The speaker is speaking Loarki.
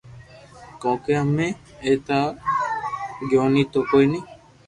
ڪونڪھ امي ايتا گيوني تو ڪوئي ني